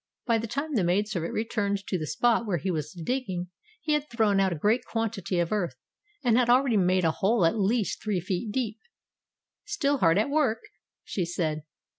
By the time the maid servant returned to the spot where he was digging, he had thrown out a great quantity of earth, and had already made a hole at least three feet deep. "Still hard at work?" she said.